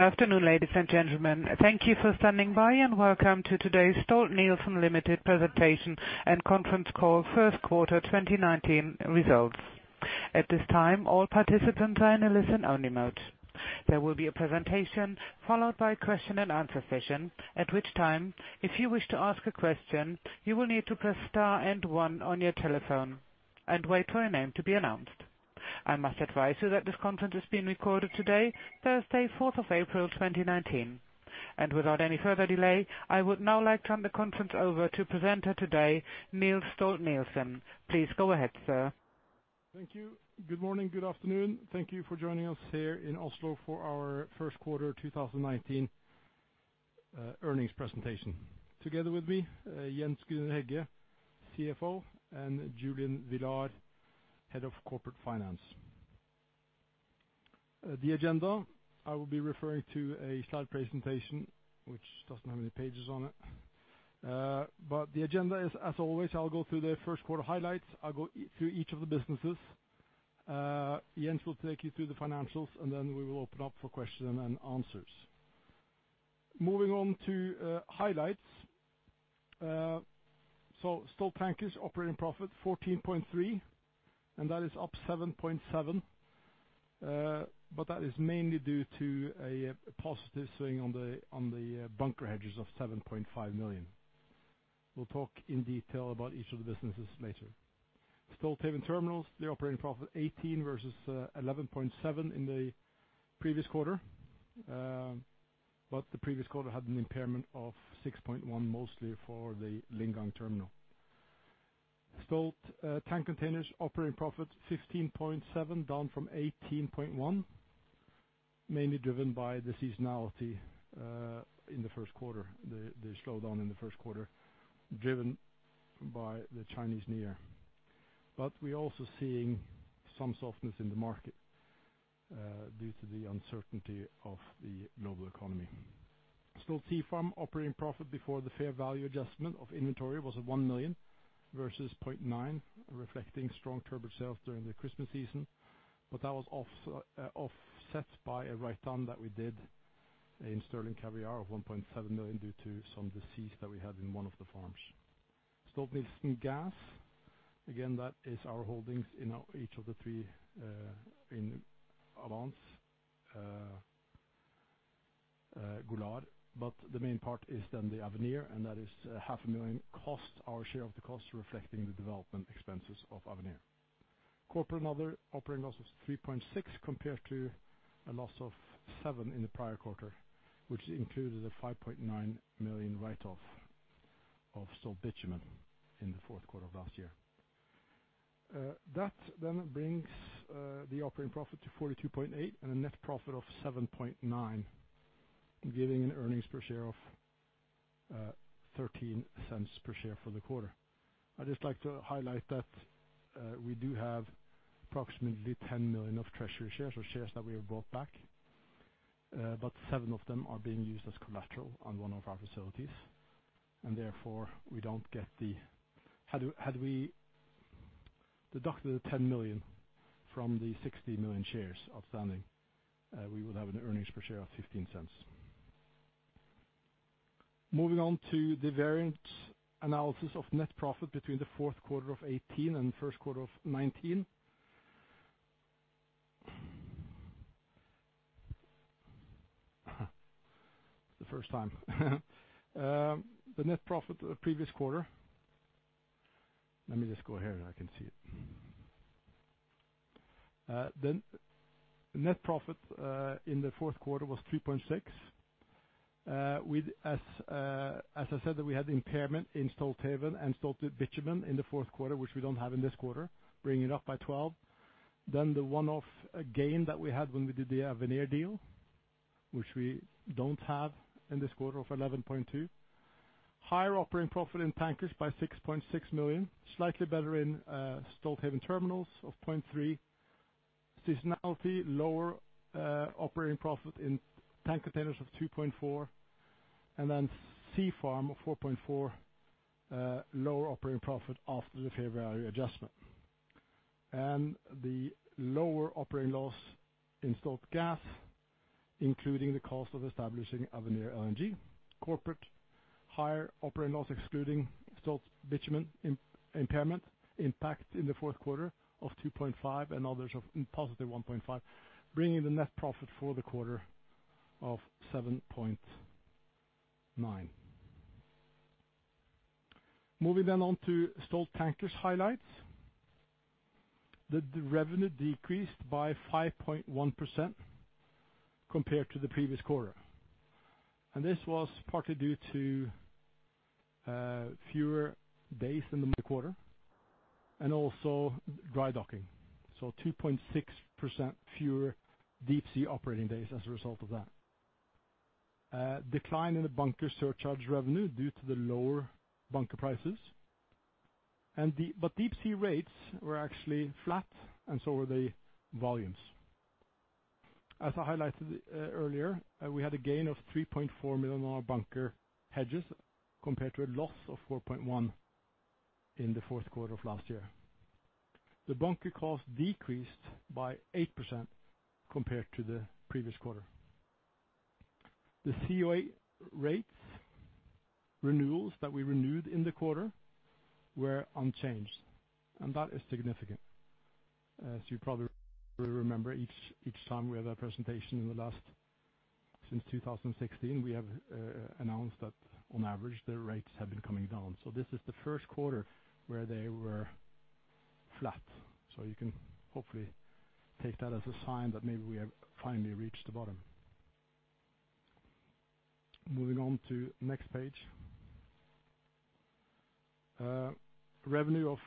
Afternoon, ladies and gentlemen. Thank you for standing by and welcome to today's Stolt-Nielsen Limited presentation and conference call, first quarter 2019 results. At this time, all participants are in a listen-only mode. There will be a presentation followed by question and answer session, at which time, if you wish to ask a question, you will need to press star and one on your telephone and wait for a name to be announced. I must advise you that this conference is being recorded today, Thursday, 4th of April, 2019. Without any further delay, I would now like to turn the conference over to presenter today, Niels Stolt-Nielsen. Please go ahead, sir. Thank you. Good morning, good afternoon. Thank you for joining us here in Oslo for our first quarter 2019 earnings presentation. Together with me, Jens Grüner-Hegge, CFO, and Julian Villar, Head of Corporate Finance. The agenda, I will be referring to a slide presentation, which doesn't have any pages on it. The agenda is as always, I'll go through the first quarter highlights. I'll go through each of the businesses. Jens will take you through the financials, we will open up for question and answers. Moving on to highlights. Stolt Tankers operating profit $14.3, that is up $7.7, that is mainly due to a positive swing on the bunker hedges of $7.5 million. We'll talk in detail about each of the businesses later. Stolthaven Terminals, the operating profit $18 versus $11.7 in the previous quarter. The previous quarter had an impairment of $6.1, mostly for the Lingang terminal. Stolt Tank Containers operating profit $15.7, down from $18.1, mainly driven by the seasonality in the first quarter, the slowdown in the first quarter, driven by the Chinese New Year. We're also seeing some softness in the market due to the uncertainty of the global economy. Stolt Sea Farm operating profit before the fair value adjustment of inventory was $1 million versus $0.9 million, reflecting strong turbot sales during the Christmas season. That was offset by a write-down that we did in Sterling Caviar of $1.7 million due to some disease that we had in one of the farms. Stolt-Nielsen Gas, again, that is our holdings in each of the three in Avance, Golar, but the main part is the Avenir, that is $500,000 cost, our share of the cost reflecting the development expenses of Avenir. Corporate and other operating loss was $3.6 million compared to a loss of $7 million in the prior quarter, which included a $5.9 million write-off of Stolt Bitumen in the fourth quarter of last year. That brings the operating profit to $42.8 million and a net profit of $7.9 million, giving an earnings per share of $0.13 per share for the quarter. I'd just like to highlight that we do have approximately 10 million of treasury shares or shares that we have bought back. Seven of them are being used as collateral on one of our facilities, and therefore we don't get the Had we deducted the 10 million from the 60 million shares outstanding, we would have an earnings per share of $0.15. Moving on to the variant analysis of net profit between the fourth quarter of 2018 and the first quarter of 2019. Let me just go here and I can see it. The net profit in the fourth quarter was $3.6 million. As I said that we had the impairment in Stolthaven and Stolt Bitumen in the fourth quarter, which we don't have in this quarter, bringing it up by $12 million. The one-off gain that we had when we did the Avenir deal, which we don't have in this quarter, of $11.2 million. Higher operating profit in Tankers by $6.6 million, slightly better in Stolthaven Terminals of $0.3 million. Seasonality, lower operating profit in Tanker tenants of $2.4 million, and Sea Farm of $4.4 million, lower operating profit after the fair value adjustment. The lower operating loss in Stolt-Nielsen Gas, including the cost of establishing Avenir LNG. Corporate, higher operating loss excluding Stolt Bitumen impairment impact in the fourth quarter of $2.5 million and others of +$1.5 million, bringing the net profit for the quarter of $7.9 million. Moving on to Stolt Tankers highlights. The revenue decreased by 5.1% compared to the previous quarter. This was partly due to fewer days in the quarter and also dry docking. 2.6% fewer deep-sea operating days as a result of that. Decline in the bunker surcharge revenue due to the lower bunker prices. Deep-sea rates were actually flat, and so were the volumes. As I highlighted earlier, we had a gain of $3.4 million on our bunker hedges compared to a loss of $4.1 million in the fourth quarter of last year. The bunker cost decreased by 8% compared to the previous quarter. The COA rates renewals that we renewed in the quarter were unchanged, that is significant. As you probably remember, each time we have a presentation since 2016, we have announced that on average, the rates have been coming down. This is the first quarter where they were flat. You can hopefully take that as a sign that maybe we have finally reached the bottom. Moving on to next page. Revenue of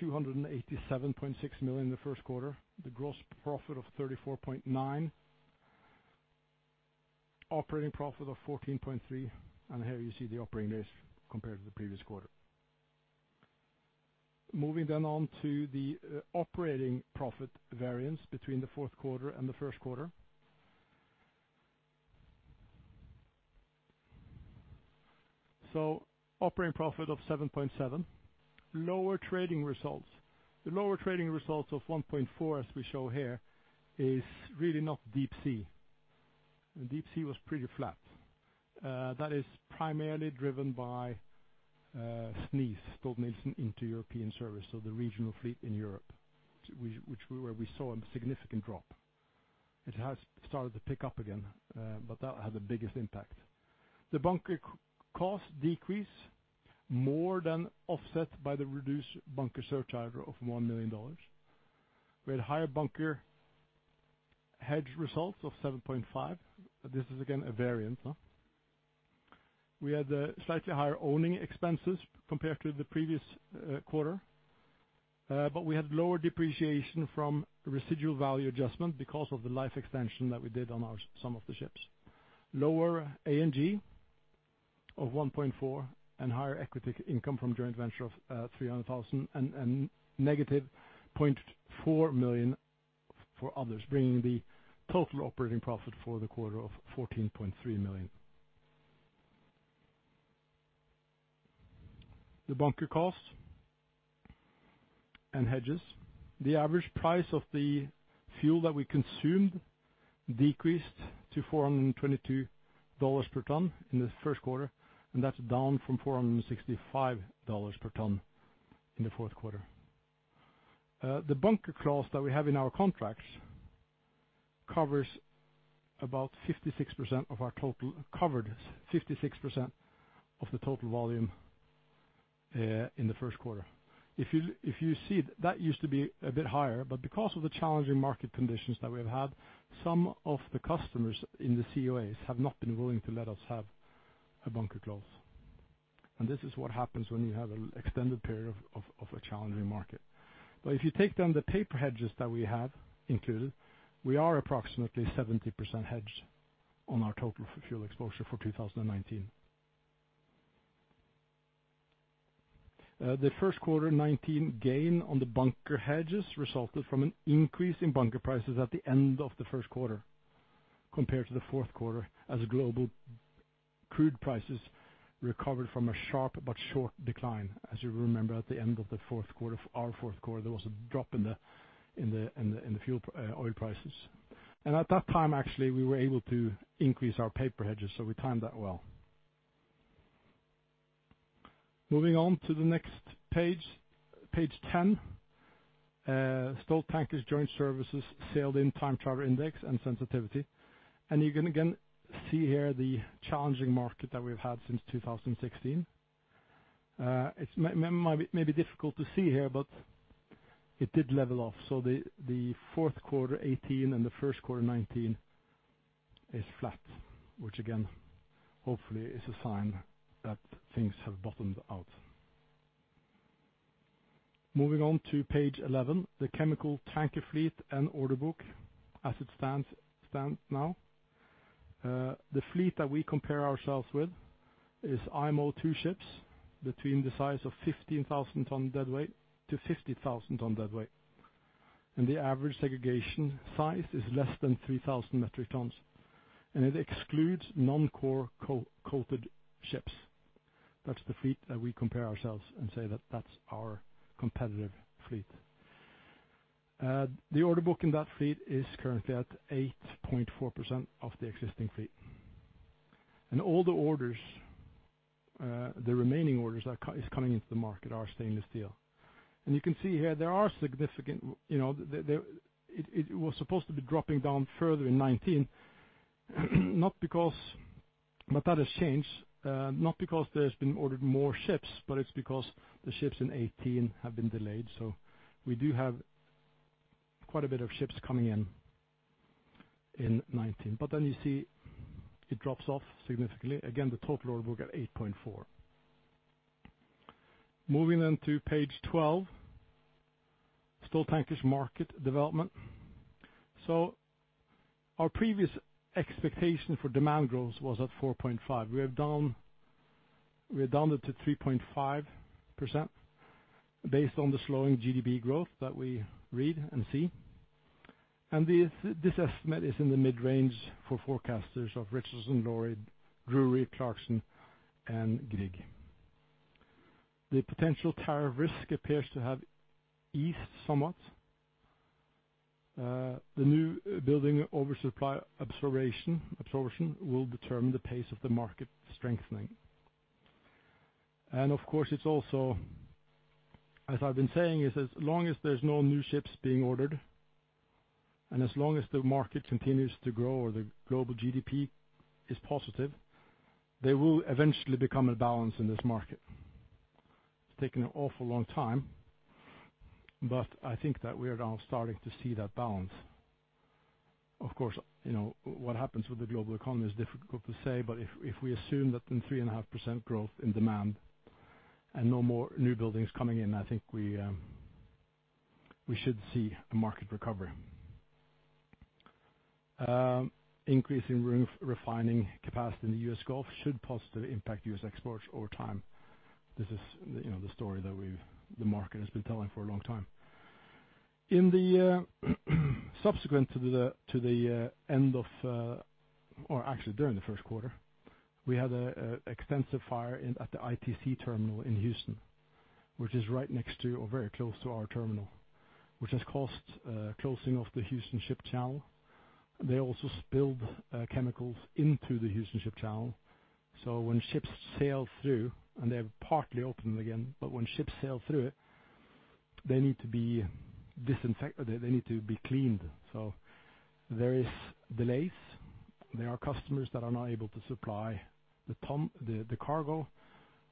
$287.6 million the first quarter, the gross profit of $34.9 million. Operating profit of $14.3 million, here you see the operating days compared to the previous quarter. Moving on to the operating profit variance between the fourth quarter and the first quarter. Operating profit of $7.7 million. Lower trading results. The lower trading results of $1.4 million, as we show here, is really not deep sea. Deep sea was pretty flat. That is primarily driven by SNIES, Stolt-Nielsen Inter-European Service, the regional fleet in Europe, which we saw a significant drop. It has started to pick up again, but that had the biggest impact. The bunker cost decrease more than offset by the reduced bunker surcharge of $1 million. We had higher bunker hedge results of $7.5 million. This is again a variance. We had slightly higher owning expenses compared to the previous quarter, we had lower depreciation from residual value adjustment because of the life extension that we did on some of the ships. Lower A&G of $1.4 million and higher equity income from joint venture of $300,000 and -$0.4 million for others, bringing the total operating profit for the quarter of $14.3 million. The bunker costs and hedges. The average price of the fuel that we consumed decreased to $422 per ton in the first quarter, and that is down from $465 per ton in the fourth quarter. The bunker clause that we have in our contracts covers about 56% of the total volume in the first quarter. If you see, that used to be a bit higher, but because of the challenging market conditions that we have had, some of the customers in the COAs have not been willing to let us have a bunker clause. This is what happens when you have an extended period of a challenging market. If you take down the paper hedges that we have included, we are approximately 70% hedged on our total fuel exposure for 2019. The first quarter 2019 gain on the bunker hedges resulted from an increase in bunker prices at the end of the first quarter compared to the fourth quarter as global crude prices recovered from a sharp but short decline. As you remember, at the end of our fourth quarter, there was a drop in the oil prices. At that time, actually, we were able to increase our paper hedges, so we timed that well. Moving on to the next page 10. Stolt Tankers Joint Services Sailed-in Time-Charter Index and sensitivity. You can again see here the challenging market that we have had since 2016. It may be difficult to see here, but it did level off. The fourth quarter 2018 and the first quarter 2019 is flat, which again, hopefully is a sign that things have bottomed out. Moving on to page 11, the chemical tanker fleet and order book as it stands now. The fleet that we compare ourselves with is IMO 2 ships between the size of 15,000 ton deadweight to 50,000 ton deadweight. The average segregation size is less than 3,000 metric tons. It excludes non-core coated ships. That is the fleet that we compare ourselves and say that that is our competitive fleet. The order book in that fleet is currently at 8.4% of the existing fleet. All the remaining orders that is coming into the market are stainless steel. You can see here there are significant-- it was supposed to be dropping down further in 2019. But that has changed, not because there has been ordered more ships, but it is because the ships in 2018 have been delayed. So we do have quite a bit of ships coming in in 2019. But then you see it drops off significantly. Again, the total order will get 8.4%. Moving on to page 12, Stolt Tankers market development. Our previous expectation for demand growth was at 4.5%. We have done it to 3.5% based on the slowing GDP growth that we read and see. This estimate is in the mid-range for forecasters of Richardson, Lloyd, Drewry, Clarksons and Greg. The potential tariff risk appears to have eased somewhat. The new building oversupply absorption will determine the pace of the market strengthening. As I've been saying, as long as there's no new ships being ordered, and as long as the market continues to grow or the global GDP is positive, there will eventually become a balance in this market. It's taken an awful long time, but I think that we are now starting to see that balance. Of course, what happens with the global economy is difficult to say. But if we assume that in 3.5% growth in demand and no more new buildings coming in, I think we should see a market recovery. Increase in refining capacity in the U.S. Gulf should positively impact U.S. exports over time. This is the story that the market has been telling for a long time. Actually during the first quarter, we had an extensive fire at the ITC terminal in Houston, which is right next to, or very close to our terminal. Which has caused closing of the Houston ship channel. They also spilled chemicals into the Houston ship channel. So when ships sail through, and they have partly opened again, but when ships sail through it, they need to be cleaned. So there is delays. There are customers that are not able to supply the cargo,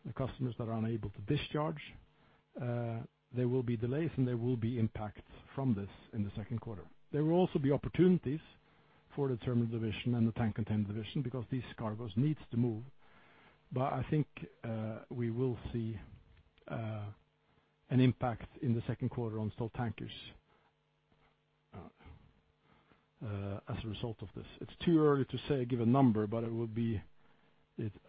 the customers that are unable to discharge. There will be delays and there will be impacts from this in the second quarter. There will also be opportunities for the terminal division and the tank container division because these cargoes needs to move. But I think we will see an impact in the second quarter on Stolt Tankers as a result of this. It's too early to give a number, but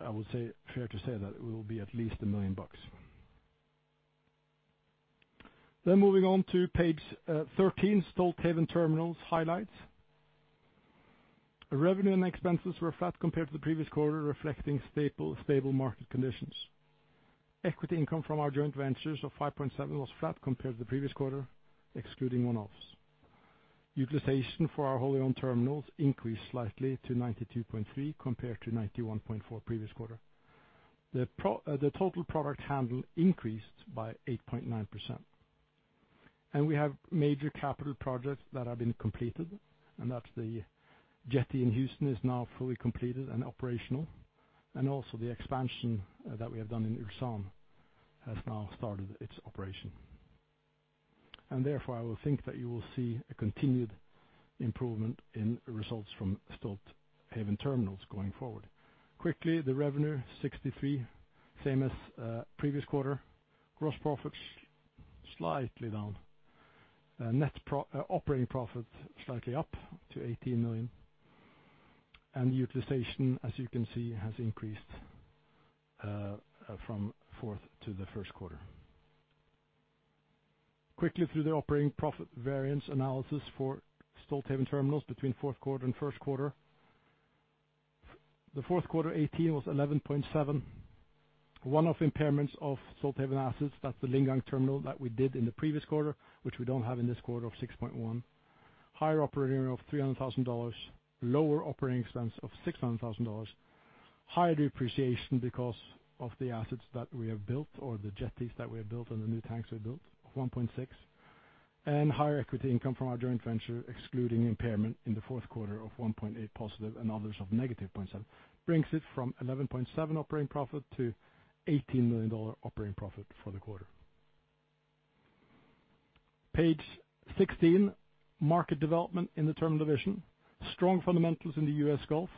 I would say fair to say that it will be at least $1 million. Moving on to page 13, Stolthaven Terminals highlights. Revenue and expenses were flat compared to the previous quarter, reflecting stable market conditions. Equity income from our joint ventures of $5.7 million was flat compared to the previous quarter, excluding one-offs. Utilization for our wholly owned terminals increased slightly to 92.3% compared to 91.4% previous quarter. The total product handle increased by 8.9%. We have major capital projects that have been completed, and that's the jetty in Houston is now fully completed and operational. Also the expansion that we have done in Ulsan has now started its operation. Therefore, I would think that you will see a continued improvement in results from Stolthaven Terminals going forward. Quickly, the revenue $63 million, same as previous quarter. Gross profit, slightly down. Operating profit, slightly up to $18 million. Utilization, as you can see, has increased from fourth to the first quarter. Quickly through the operating profit variance analysis for Stolthaven Terminals between fourth quarter and first quarter. The fourth quarter 2018 was $11.7 million. One-off impairments of Stolthaven assets, that's the Lingang terminal that we did in the previous quarter, which we don't have in this quarter of $6.1 million. Higher operating of $300,000. Lower operating expense of $600,000. Higher depreciation because of the assets that we have built or the jetties that we have built and the new tanks we built of $1.6 million. Higher equity income from our joint venture, excluding impairment in the fourth quarter of $1.8 million+ and others of -$0.7 million. Brings it from $11.7 million operating profit to $18 million operating profit for the quarter. Page 16, market development in the terminal division. Strong fundamentals in the U.S. Gulf,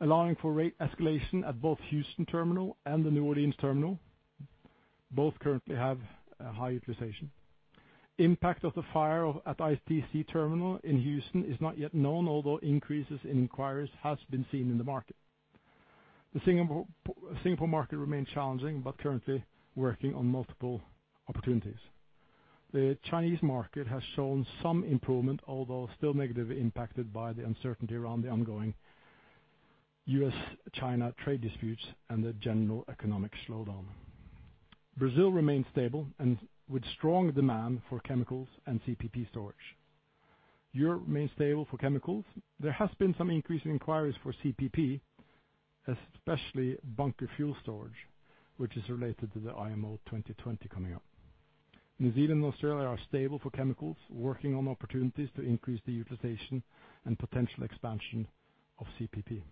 allowing for rate escalation at both Houston Terminal and the New Orleans Terminal. Both currently have a high utilization. Impact of the fire at ITC terminal in Houston is not yet known, although increases in inquiries has been seen in the market. The Singapore market remains challenging, currently working on multiple opportunities. The Chinese market has shown some improvement, although still negatively impacted by the uncertainty around the ongoing U.S.-China trade disputes and the general economic slowdown. Brazil remains stable and with strong demand for chemicals and CPP storage. Europe remains stable for chemicals. There has been some increase in inquiries for CPP, especially bunker fuel storage, which is related to the IMO 2020 coming up. New Zealand and Australia are stable for chemicals, working on opportunities to increase the utilization and potential expansion of CPP.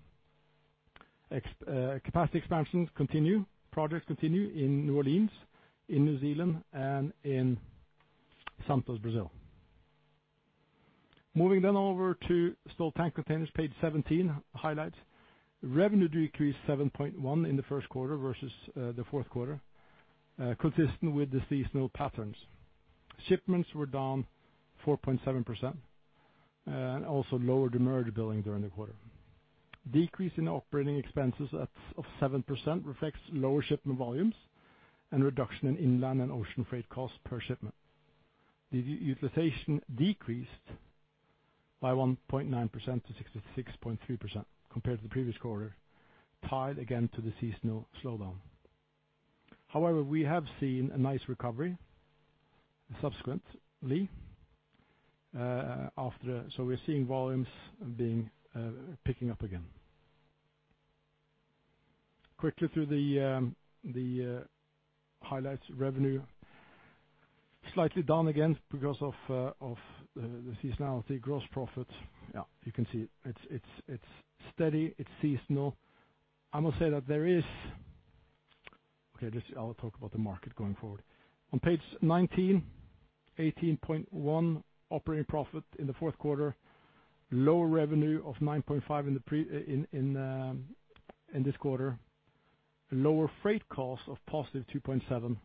Capacity expansions continue. Projects continue in New Orleans, in New Zealand, and in Santos, Brazil. Moving over to Stolt Tank Containers, page 17, highlights. Revenue decreased 7.1% in the first quarter versus the fourth quarter, consistent with the seasonal patterns. Shipments were down 4.7%, and also lower demurrage billing during the quarter. Decrease in operating expenses of 7% reflects lower shipment volumes and reduction in inland and ocean freight costs per shipment. The utilization decreased by 1.9% to 66.3% compared to the previous quarter, tied again to the seasonal slowdown. However, we have seen a nice recovery subsequently. We are seeing volumes picking up again. Quickly through the highlights revenue. Slightly down again because of the seasonality. Gross profit, yeah, you can see it's steady, it's seasonal. I must say that I'll talk about the market going forward. On page 19, $18.1 million operating profit in the fourth quarter, lower revenue of $9.5 million in this quarter, lower freight costs of positive $2.7 million,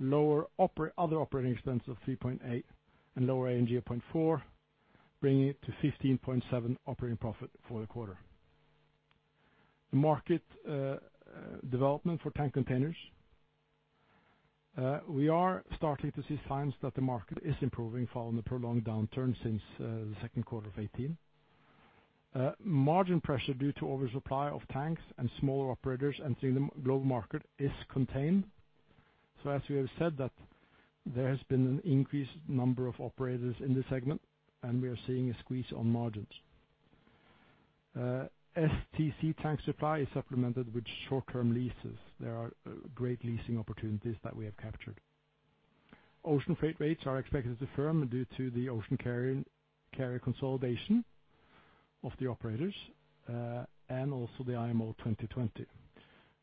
lower other operating expenses of $3.8 million, and lower A&G of $0.4 million, bringing it to $15.7 million operating profit for the quarter. The market development for Stolt Tank Containers. We are starting to see signs that the market is improving following the prolonged downturn since the second quarter of 2018. Margin pressure due to oversupply of tanks and smaller operators entering the global market is contained. As we have said that there has been an increased number of operators in this segment, and we are seeing a squeeze on margins. STC tank supply is supplemented with short-term leases. There are great leasing opportunities that we have captured. Ocean freight rates are expected to firm due to the ocean carrier consolidation of the operators, and also the IMO 2020.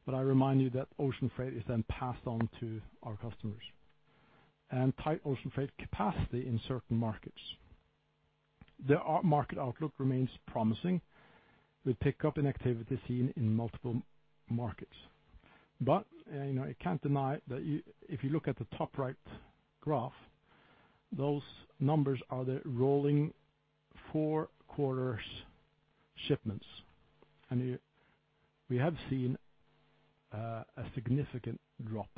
I remind you that ocean freight is then passed on to our customers. Tight ocean freight capacity in certain markets. The market outlook remains promising, with pick up in activity seen in multiple markets. You can't deny that if you look at the top right graph, those numbers are the rolling four quarters shipments. We have seen a significant drop,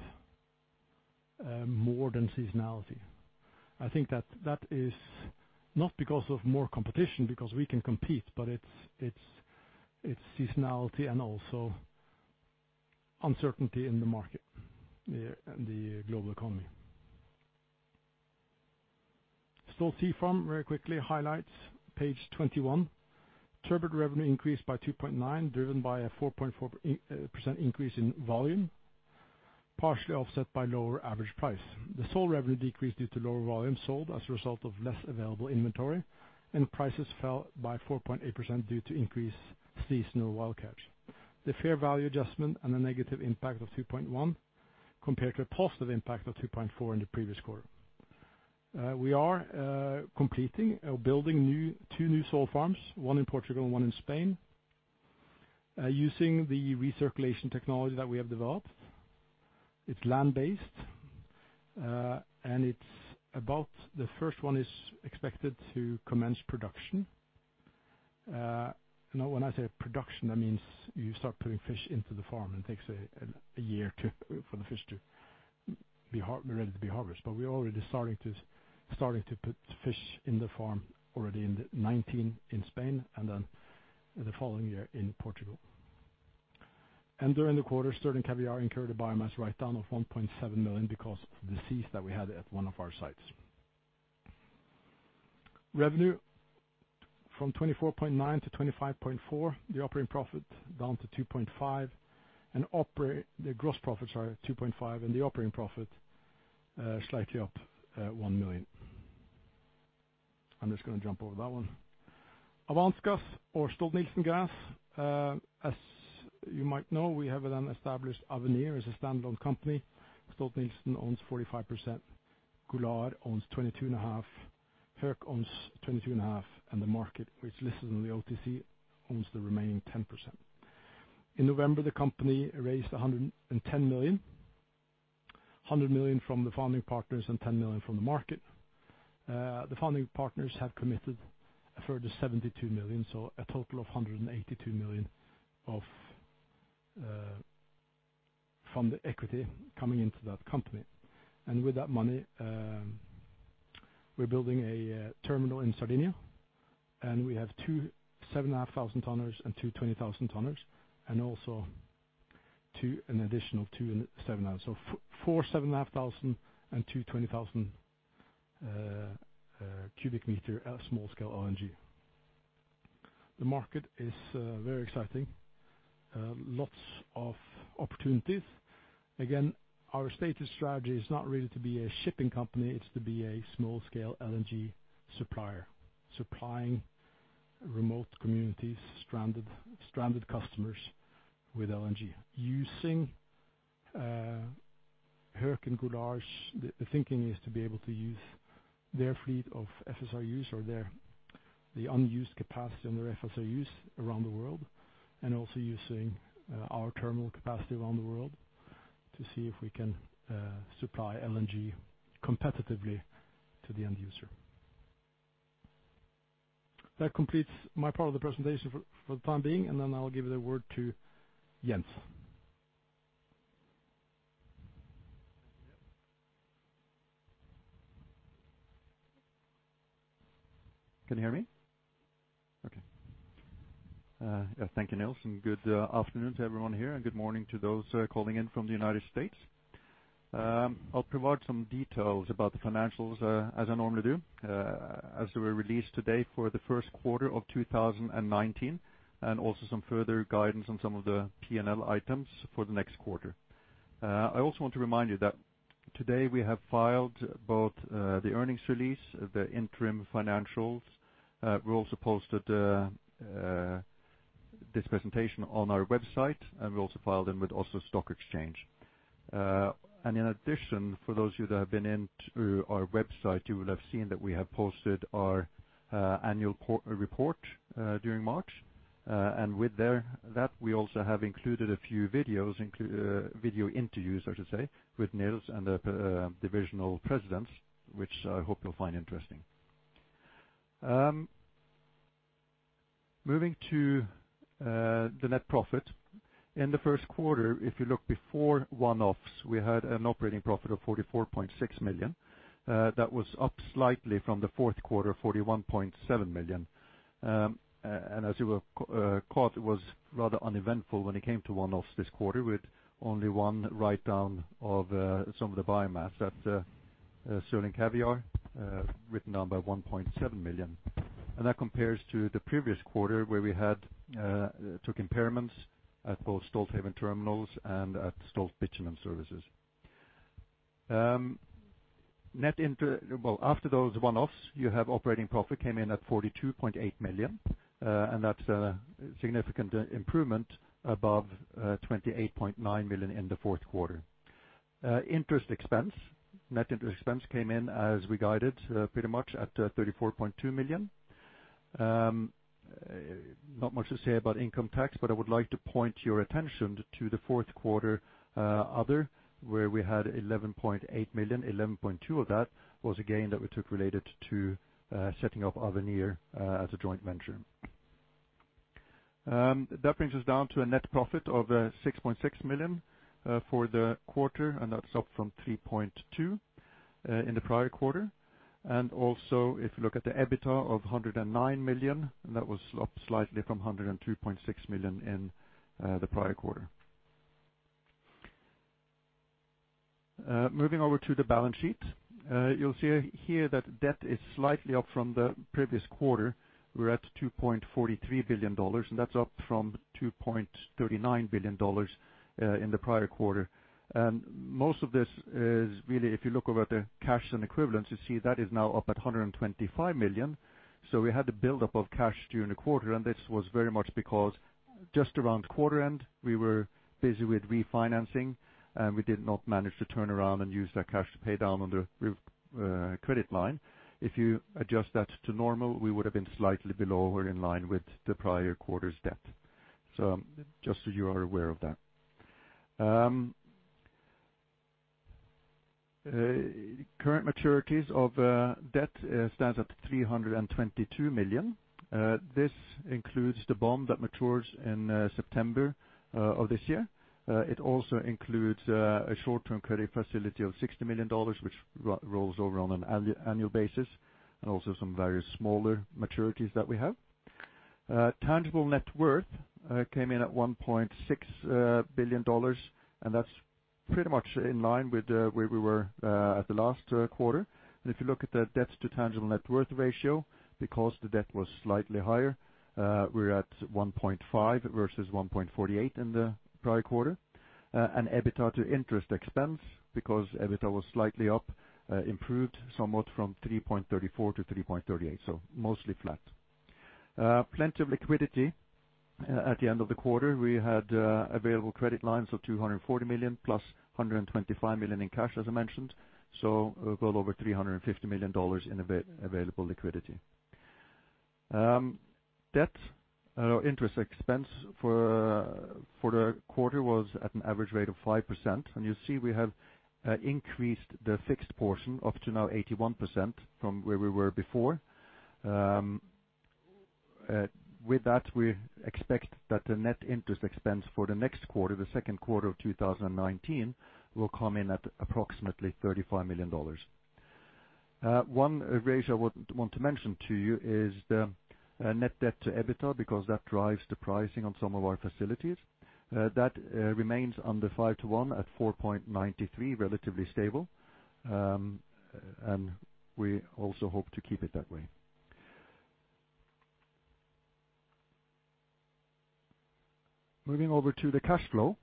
more than seasonality. I think that is not because of more competition, because we can compete, it's seasonality and also uncertainty in the market, the global economy. Stolt Sea Farm, very quickly, highlights page 21. Turbot revenue increased by 2.9%, driven by a 4.4% increase in volume, partially offset by lower average price. The sole revenue decreased due to lower volume sold as a result of less available inventory, and prices fell by 4.8% due to increased seasonal wild catch. The fair value adjustment and the negative impact of $2.1 compared to a positive impact of $2.4 in the previous quarter. We are completing or building two new sole farms, one in Portugal and one in Spain, using the recirculation technology that we have developed. It's land-based. The first one is expected to commence production. When I say production, that means you start putting fish into the farm, and it takes a year for the fish to be ready to be harvested. We are already starting to put fish in the farm already in 2019 in Spain, the following year in Portugal. During the quarter, Sterling Caviar incurred a biomass write-down of $1.7 million because of the cease that we had at one of our sites. Revenue from $24.9-$25.4, the operating profit down to $2.5, the gross profits are at $2.5, the operating profit slightly up at $1 million. I'm just going to jump over that one. Avance Gas or Stolt-Nielsen Gas. You might know, we have established Avenir as a standalone company. Stolt-Nielsen owns 45%, Golar owns 22.5%, Höegh owns 22.5%, and the market, which lists on the OTC, owns the remaining 10%. In November, the company raised $110 million. $100 million from the founding partners and $10 million from the market. The founding partners have committed a further $72 million, so a total of $182 million from the equity coming into that company. With that money, we're building a terminal in Sardinia we have two 7,500 tonners and two 20,000 tonners, also an additional two 7,500. So four 7,500 and two 20,000 cubic meter small scale LNG. The market is very exciting. Lots of opportunities. Again, our stated strategy is not really to be a shipping company, it's to be a small scale LNG supplier. Supplying remote communities, stranded customers with LNG. Using Höegh and Golar, the thinking is to be able to use their fleet of FSRUs or the unused capacity on their FSRUs around the world, also using our terminal capacity around the world to see if we can supply LNG competitively to the end user. That completes my part of the presentation for the time being, I'll give the word to Jens. Can you hear me? Okay. Thank you, Niels, Good afternoon to everyone here, good morning to those calling in from the United States I'll provide some details about the financials as I normally do, as they were released today for the first quarter of 2019, Also some further guidance on some of the P&L items for the next quarter. I also want to remind you that today we have filed both the earnings release, the interim financials. We also posted this presentation on our website, we also filed them with Oslo Stock Exchange. In addition, for those of you that have been into our website, you will have seen that we have posted our annual report during March. With that, we also have included a few video interviews, so to say, with Niels and the divisional presidents, which I hope you'll find interesting. Moving to the net profit. In the first quarter, if you look before one-offs, we had an operating profit of $44.6 million. That was up slightly from the fourth quarter, $41.7 million. As you were caught, it was rather uneventful when it came to one-offs this quarter with only one write-down of some of the biomass at Sterling Caviar, written down by $1.7 million. That compares to the previous quarter, where we took impairments at both Stolthaven Terminals and at Stolt Bitumen Services. After those one-offs, operating profit came in at $42.8 million, and that's a significant improvement above $28.9 million in the fourth quarter. Interest expense. Net interest expense came in as we guided pretty much at $34.2 million. Not much to say about income tax, but I would like to point your attention to the fourth quarter, other, where we had $11.8 million, $11.2 million of that was a gain that we took related to setting up Avenir as a joint venture. That brings us down to a net profit of $6.6 million for the quarter, and that's up from $3.2 million in the prior quarter. Also, if you look at the EBITDA of $109 million, that was up slightly from $102.6 million in the prior quarter. Moving over to the balance sheet. You'll see here that debt is slightly up from the previous quarter. We're at $2.43 billion, and that's up from $2.39 billion in the prior quarter. Most of this is really if you look over the cash and equivalents, you see that is now up at $125 million. We had the buildup of cash during the quarter, and this was very much because just around quarter end, we were busy with refinancing, and we did not manage to turn around and use that cash to pay down on the credit line. If you adjust that to normal, we would have been slightly below or in line with the prior quarter's debt. Just so you are aware of that. Current maturities of debt stands at $322 million. This includes the bond that matures in September of this year. It also includes a short-term credit facility of $60 million, which rolls over on an annual basis, and also some various smaller maturities that we have. Tangible net worth came in at $1.6 billion, and that's pretty much in line with where we were at the last quarter. If you look at the debt to tangible net worth ratio, because the debt was slightly higher, we're at 1.5 versus 1.48 in the prior quarter. EBITDA to interest expense, because EBITDA was slightly up, improved somewhat from 3.34-3.38, so mostly flat. Plenty of liquidity at the end of the quarter. We had available credit lines of $240 million+ $125 million in cash, as I mentioned, so a little over $350 million in available liquidity. Debt interest expense for the quarter was at an average rate of 5%. You see we have increased the fixed portion up to now 81% from where we were before. With that, we expect that the net interest expense for the next quarter, the second quarter of 2019, will come in at approximately $35 million. One ratio I want to mention to you is the net debt to EBITDA, because that drives the pricing on some of our facilities. That remains under 5:1 at 4.93, relatively stable. We also hope to keep it that way. Moving over to the cash flow.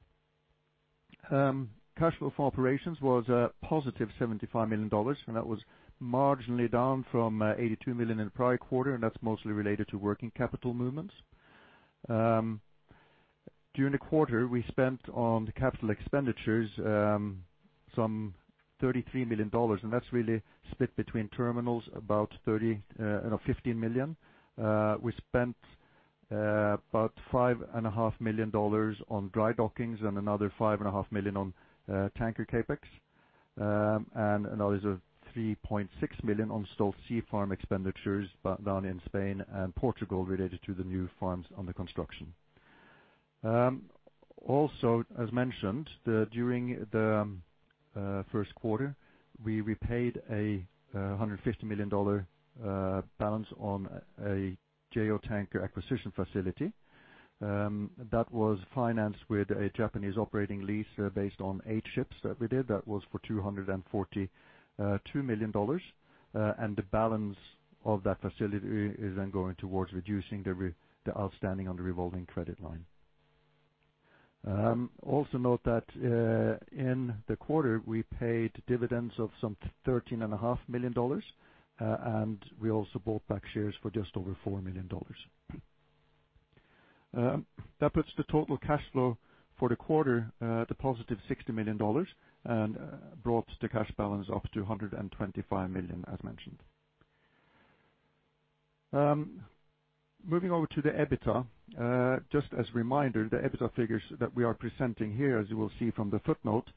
Cash flow from operations was a +$75 million, that was marginally down from $82 million in the prior quarter, that's mostly related to working capital movements. During the quarter, we spent on CapEx some $33 million, that's really split between terminals, about $15 million. We spent about $5.5 million on dry dockings and another $5.5 million on tanker CapEx. Now there's a $3.6 million on Stolt Sea Farm expenditures down in Spain and Portugal related to the new farms under construction. Also, as mentioned, during the first quarter, we repaid a $150 million balance on a Jo Tankers acquisition facility. That was financed with a Japanese operating lease based on eight ships that we did. That was for $242 million. The balance of that facility is going towards reducing the outstanding on the revolving credit line. Also note that in the quarter, we paid dividends of some $13.5 million, we also bought back shares for just over $4 million. That puts the total cash flow for the quarter at a +$60 million and brought the cash balance up to $225 million, as mentioned. Moving over to the EBITDA. Just as a reminder, the EBITDA figures that we are presenting here, as you will see from the footnote,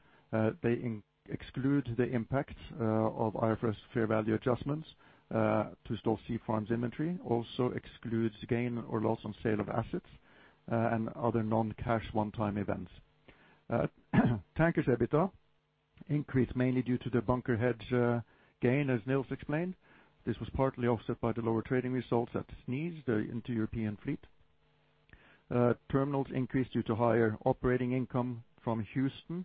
they exclude the impact of IFRS fair value adjustments to Stolt Sea Farm's inventory. Also excludes gain or loss on sale of assets and other non-cash one-time events. Tankers EBITDA increased mainly due to the bunker hedge gain, as Niels explained. This was partly offset by the lower trading results at SNIES, the into European fleet. Terminals increased due to higher operating income from Houston and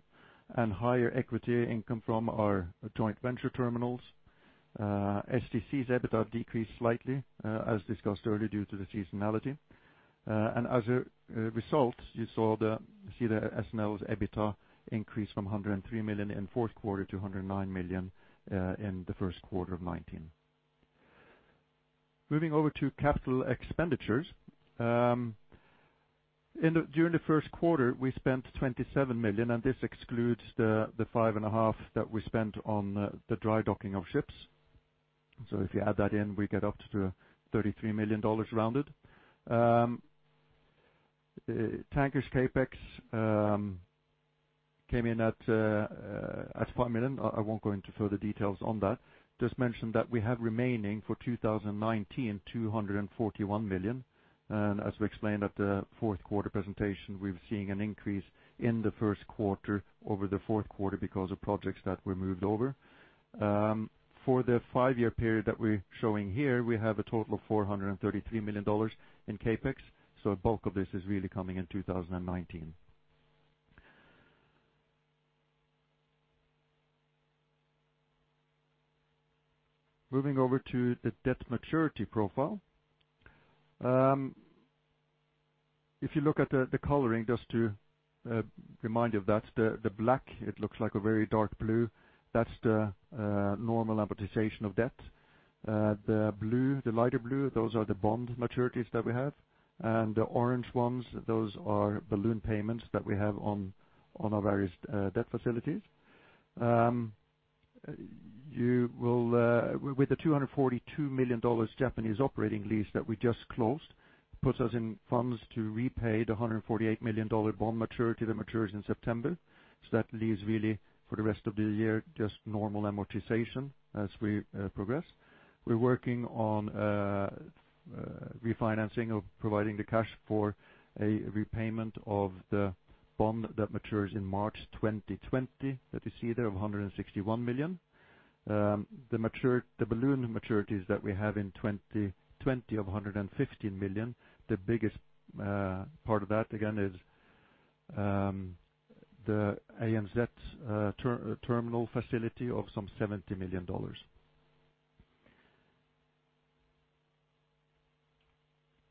higher equity income from our joint venture terminals. STC's EBITDA decreased slightly, as discussed earlier, due to the seasonality. As a result, you see the SNL EBITDA increase from $103 million in the fourth quarter to $109 million in the first quarter of 2019. Moving over to CapEx. During the first quarter, we spent $27 million, this excludes the $5.5 million that we spent on the dry-docking of ships. If you add that in, we get up to $33 million rounded. Tankers CapEx came in at $5 million. I won't go into further details on that. Just mention that we have remaining for 2019, $241 million, as we explained at the fourth quarter presentation, we're seeing an increase in the first quarter over the fourth quarter because of projects that were moved over. For the five-year period that we're showing here, we have a total of $433 million in CapEx, a bulk of this is really coming in 2019. Moving over to the debt maturity profile. If you look at the coloring, just to remind you of that, the black, it looks like a very dark blue. That's the normal amortization of debt. The lighter blue, those are the bond maturities that we have. The orange ones, those are balloon payments that we have on our various debt facilities. With the $242 million Japanese operating lease that we just closed, puts us in funds to repay the $148 million bond maturity that matures in September. That leaves really for the rest of the year, just normal amortization as we progress. We're working on refinancing or providing the cash for a repayment of the bond that matures in March 2020 that you see there of $161 million. The balloon maturities that we have in 2020 of $115 million, the biggest part of that again is the AMZ terminal facility of some $70 million.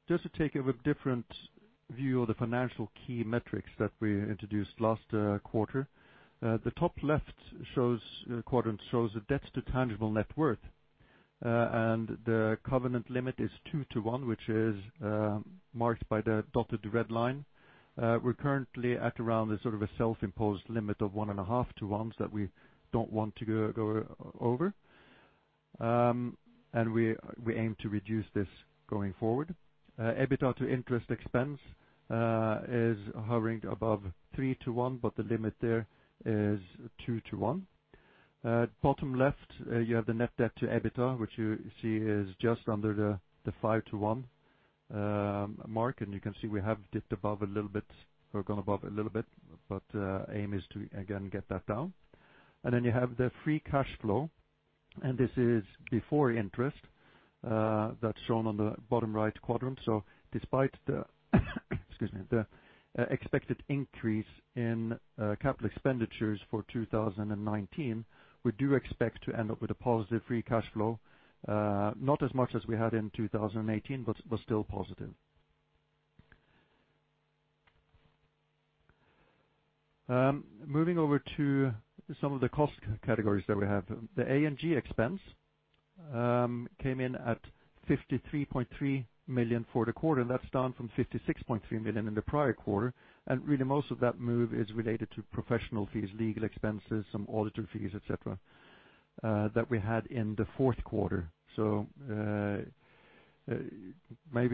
Just to take a different view of the financial key metrics that we introduced last quarter. The top left quadrant shows the debts to tangible net worth. The covenant limit is 2:1, which is marked by the dotted red line. We're currently at around a self-imposed limit of 1.5:1 that we don't want to go over. We aim to reduce this going forward. EBITDA to interest expense is hovering above 3:1, the limit there is 2:1. Bottom left, you have the net debt to EBITDA, which you see is just under the 5:1 mark, you can see we have gone above a little bit, aim is to again get that down. You have the free cash flow, and this is before interest. That's shown on the bottom right quadrant. Despite the expected increase in capital expenditures for 2019, we do expect to end up with a positive free cash flow. Not as much as we had in 2018, but still positive. Moving over to some of the cost categories that we have. The A&G expense came in at $53.3 million for the quarter. That's down from $56.3 million in the prior quarter. Really most of that move is related to professional fees, legal expenses, some auditor fees, et cetera. That we had in the fourth quarter. Maybe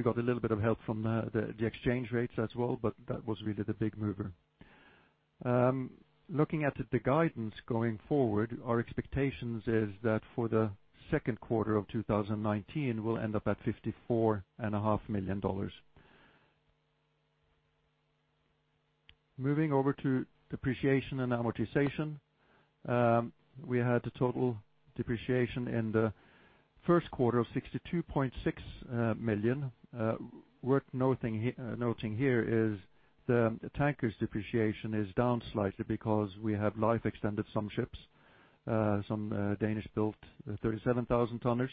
got a little bit of help from the exchange rates as well, but that was really the big mover. Looking at the guidance going forward, our expectations is that for the second quarter of 2019, we'll end up at $54.5 million. Moving over to depreciation and amortization. We had a total depreciation in the first quarter of $62.6 million. Worth noting here is the tankers depreciation is down slightly because we have life extended some ships, some Danish-built 37,000 tonners.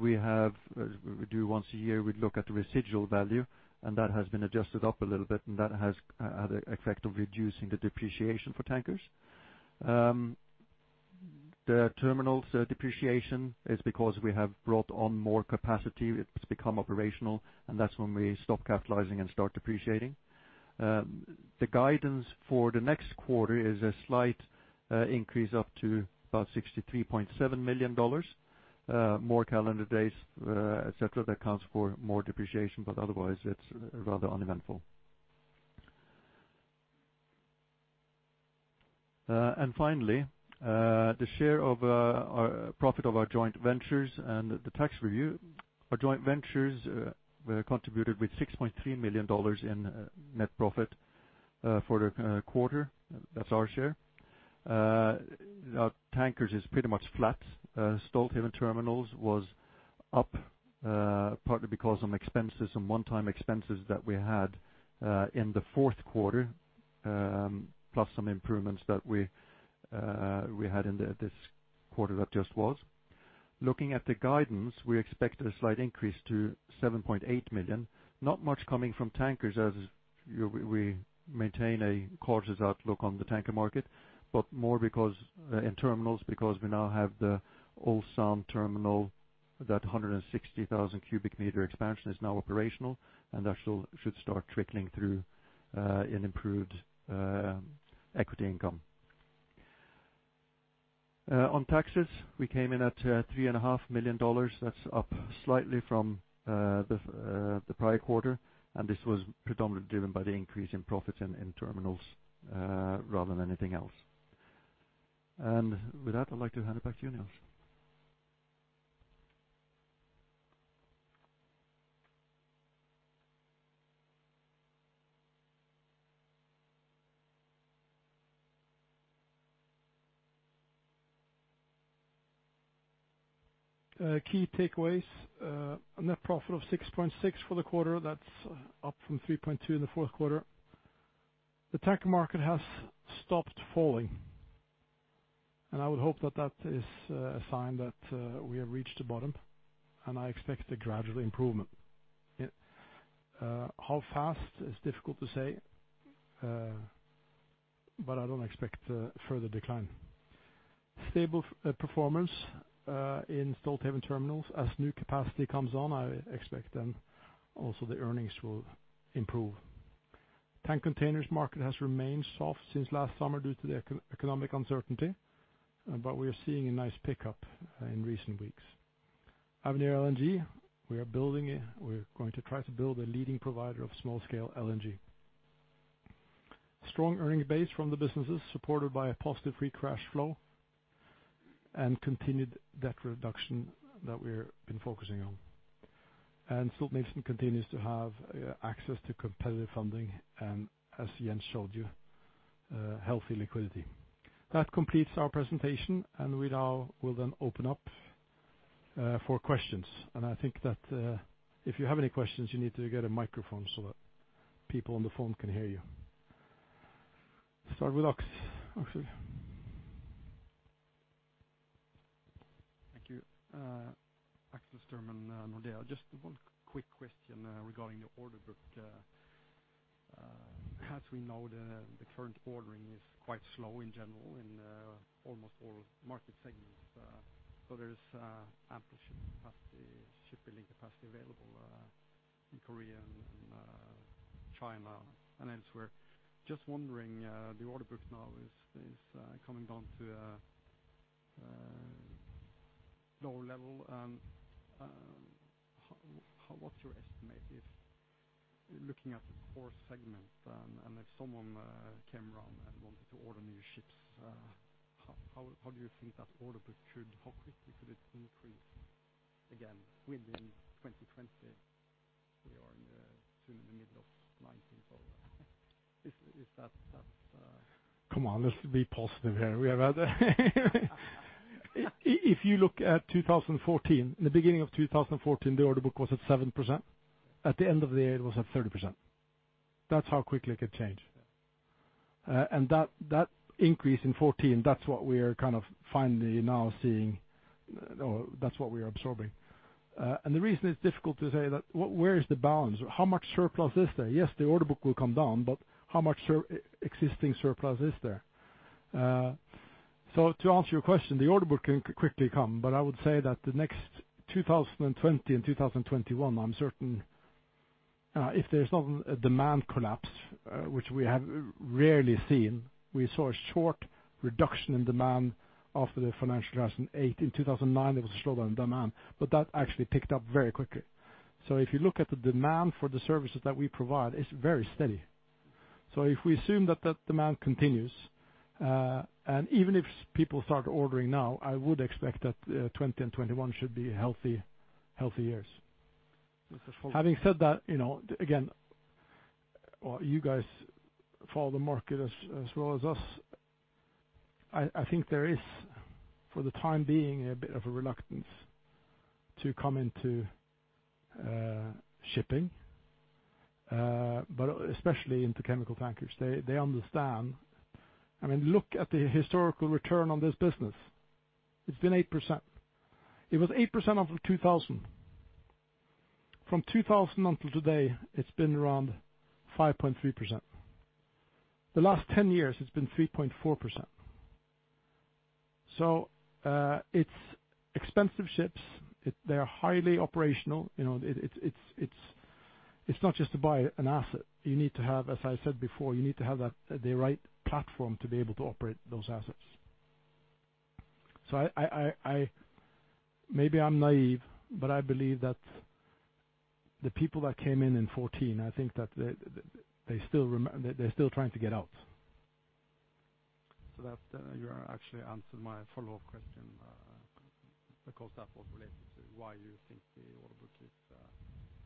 We do once a year, we look at the residual value, and that has been adjusted up a little bit, and that has had an effect of reducing the depreciation for tankers. The Terminals' depreciation is because we have brought on more capacity. It's become operational, and that's when we stop capitalizing and start depreciating. The guidance for the next quarter is a slight increase up to about $63.7 million. More calendar days, et cetera, that accounts for more depreciation, otherwise, it's rather uneventful. Finally, the share of our profit of our joint ventures and the tax review. Our joint ventures contributed with $6.3 million in net profit for the quarter. That's our share. Our tankers is pretty much flat. Stolthaven Terminals was up, partly because some expenses, some one-time expenses that we had in the fourth quarter, plus some improvements that we had in this quarter that just was. Looking at the guidance, we expect a slight increase to $7.8 million. Not much coming from tankers as we maintain a cautious outlook on the tanker market, but more because in terminals, because we now have the Ulsan terminal, that 160,000 cubic meter expansion is now operational, and that should start trickling through in improved equity income. On taxes, we came in at $3.5 million. That's up slightly from the prior quarter, and this was predominantly driven by the increase in profits in terminals rather than anything else. With that, I'd like to hand it back to you, Niels. Key takeaways. A net profit of $6.6 million for the quarter, that's up from $3.2 million in the fourth quarter. The tanker market has stopped falling, and I would hope that that is a sign that we have reached the bottom, and I expect a gradual improvement. How fast is difficult to say, but I don't expect a further decline. Stable performance in Stolthaven Terminals. As new capacity comes on, I expect then also the earnings will improve. Tank Containers market has remained soft since last summer due to the economic uncertainty, but we are seeing a nice pickup in recent weeks. Avenir LNG, we are going to try to build a leading provider of small-scale LNG. Strong earnings base from the businesses supported by a positive free cash flow and continued debt reduction that we're been focusing on. Stolt-Nielsen continues to have access to competitive funding and, as Jens showed you, healthy liquidity. That completes our presentation, and we now will then open up for questions. I think that if you have any questions, you need to get a microphone so that people on the phone can hear you. Start with Axel. Axel? Thank you. Axel Styrman, Nordea. Just one quick question regarding your order book. As we know, the current ordering is quite slow in general in almost all market segments. There is ample shipping capacity, shipping link capacity available in Korea and China and elsewhere. Just wondering, the order book now is coming down to a lower level. What's your estimate if, looking at the core segment, and if someone came around and wanted to order new ships, how do you think that order book, how quickly could it increase again within 2020? We are soon in the middle of 2019. Come on, let's be positive here. If you look at 2014, in the beginning of 2014, the order book was at 7%. At the end of the year, it was at 30%. That's how quickly it could change. That increase in 2014, that's what we are kind of finally now seeing. That's what we are absorbing. The reason it's difficult to say that, where is the balance? How much surplus is there? Yes, the order book will come down, but how much existing surplus is there? To answer your question, the order book can quickly come, but I would say that the next 2020 and 2021, I'm certain if there's not a demand collapse, which we have rarely seen. We saw a short reduction in demand after the financial crisis in 2008. In 2009, there was a slowdown in demand, but that actually picked up very quickly. If you look at the demand for the services that we provide, it's very steady. If we assume that demand continues, and even if people start ordering now, I would expect that 2020 and 2021 should be healthy years. Mr. Stolt-Nielsen. Having said that, again, you guys follow the market as well as us. I think there is, for the time being, a bit of a reluctance to come into shipping, but especially into chemical tankers. They understand. Look at the historical return on this business. It's been 8%. It was 8% until 2000. From 2000 until today, it's been around 5.3%. The last 10 years, it's been 3.4%. It's expensive ships. They are highly operational. It's not just to buy an asset. As I said before, you need to have the right platform to be able to operate those assets. Maybe I'm naive, but I believe that the people that came in in 2014, I think that they're still trying to get out. You actually answered my follow-up question, because that was related to why you think the order book is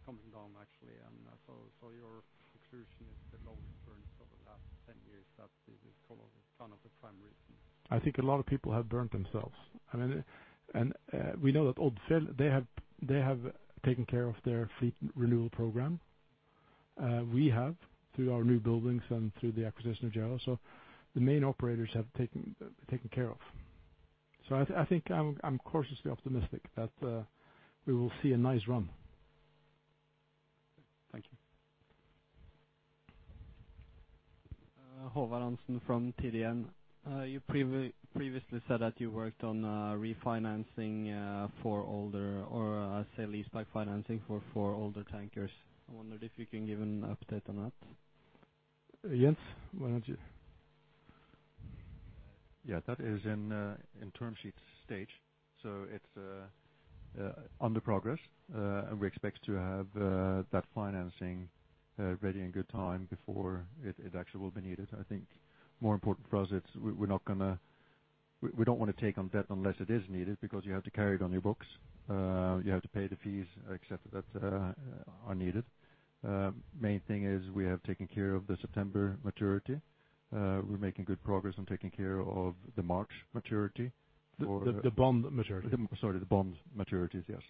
coming down, actually. Your conclusion is the low returns over the last 10 years, that is kind of the prime reason. I think a lot of people have burnt themselves. We know that Odfjell, they have taken care of their fleet renewal program. We have through our new buildings and through the acquisition of Jo. The main operators have taken care of. I think I'm cautiously optimistic that we will see a nice run. Thank you. Håvard Hansen from TDN. You previously said that you worked on refinancing for older, or I say leaseback financing for older tankers. I wondered if you can give an update on that. Jens, why don't you? Yeah, that is in term sheet stage, so it's under progress. We expect to have that financing ready in good time before it actually will be needed. I think more important for us, we don't want to take on debt unless it is needed because you have to carry it on your books. You have to pay the fees, et cetera, that are needed. Main thing is we have taken care of the September maturity. We're making good progress on taking care of the March maturity for- The bond maturity Sorry, the bond maturities, yes.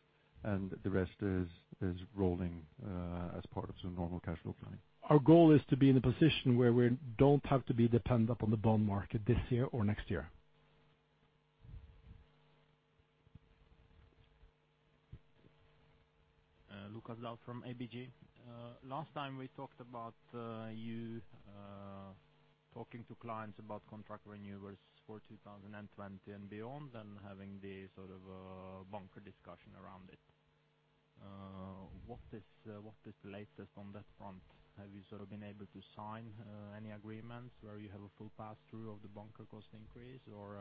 The rest is rolling as part of some normal cash flow planning. Our goal is to be in a position where we don't have to be dependent upon the bond market this year or next year. Lukas Daul from ABG. Last time we talked about you talking to clients about contract renewals for 2020 and beyond, having the bunker discussion around it. What is the latest on that front? Have you been able to sign any agreements where you have a full pass through of the bunker cost increase, or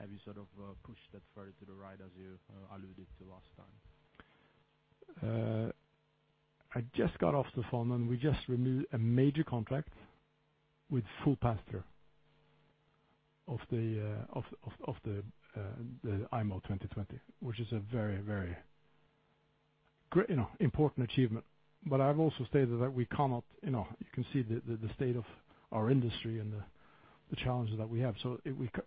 have you pushed that further to the right as you alluded to last time? I just got off the phone, we just renewed a major contract with full pass through of the IMO 2020, which is a very important achievement. I've also stated that you can see the state of our industry and the challenges that we have.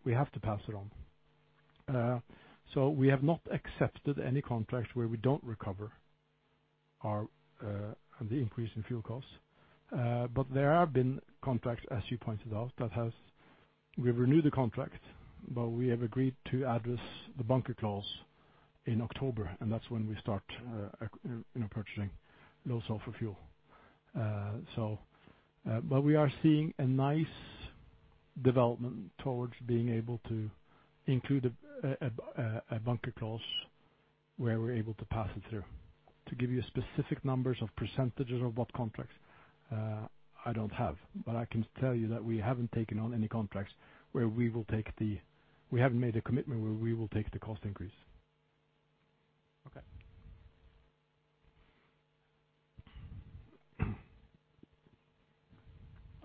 We have to pass it on. We have not accepted any contract where we don't recover the increase in fuel costs. There have been contracts, as you pointed out, that we've renewed the contract, we have agreed to address the bunker clause in October, that's when we start purchasing low sulfur fuel. We are seeing a nice development towards being able to include a bunker clause where we're able to pass it through. To give you specific numbers of percentages of what contracts, I don't have. I can tell you that we haven't taken on any contracts where we will take the cost increase.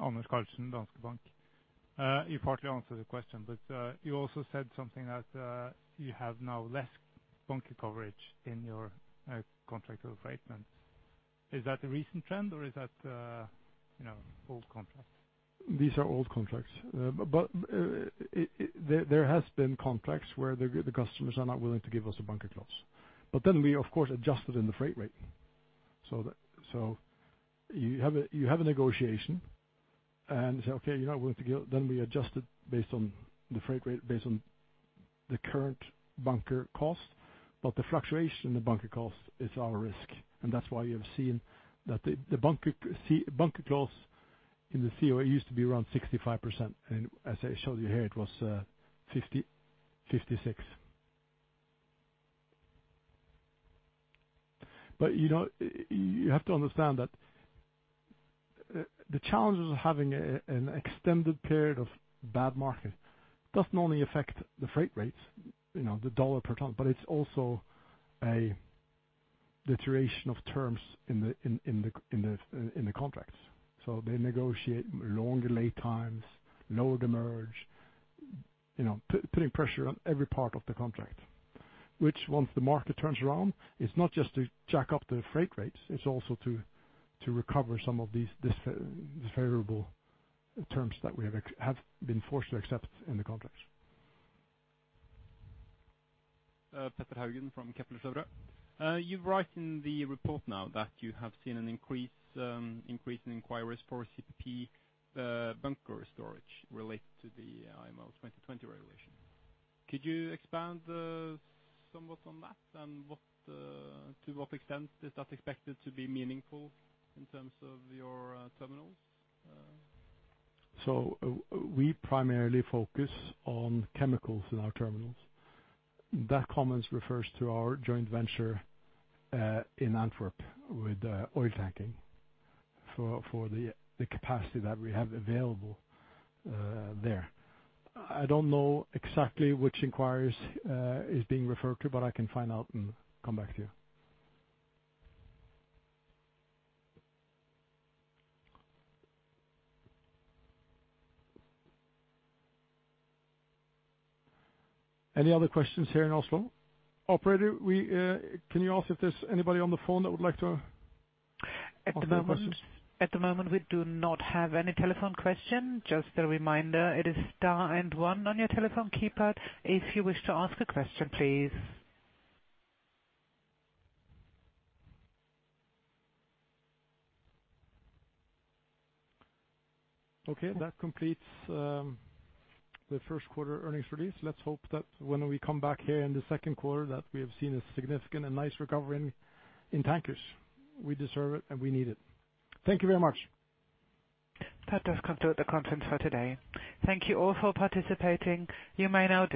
Okay. Anders Karlsen, Danske Bank. You partly answered the question, you also said something that you have now less bunker coverage in your contractual rate. Is that a recent trend or is that old contracts? These are old contracts. There has been contracts where the customers are not willing to give us a bunker clause. Then we of course adjust it in the freight rate. You have a negotiation and say, "Okay, you're not willing to give." We adjust it based on the freight rate, based on the current bunker cost. The fluctuation in the bunker cost is our risk, that's why you have seen that the bunker clause in the COA used to be around 65%. As I showed you here, it was 56%. You have to understand that the challenges of having an extended period of bad market doesn't only affect the freight rates, the dollar per tonne, it's also a deterioration of terms in the contracts. They negotiate longer lay times, lower the merge, putting pressure on every part of the contract, which once the market turns around, it's not just to jack up the freight rates, it's also to recover some of these favorable terms that we have been forced to accept in the contracts. Petter Haugen from Kepler Cheuvreux. You write in the report now that you have seen an increase in inquiries for CPP bunker storage related to the IMO 2020 regulation. Could you expand somewhat on that and to what extent is that expected to be meaningful in terms of your terminals? We primarily focus on chemicals in our terminals. That comment refers to our joint venture, in Antwerp with Oiltanking for the capacity that we have available there. I don't know exactly which inquiries is being referred to, but I can find out and come back to you. Any other questions here in Oslo? Operator, can you ask if there's anybody on the phone that would like to ask any questions? At the moment, we do not have any telephone question. Just a reminder, it is star and one on your telephone keypad if you wish to ask a question, please. That completes the first quarter earnings release. Let's hope that when we come back here in the second quarter that we have seen a significant and nice recovery in tankers. We deserve it, and we need it. Thank you very much. That does conclude the conference for today. Thank you all for participating. You may now disconnect.